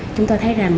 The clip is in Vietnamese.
chúng tôi thấy rằng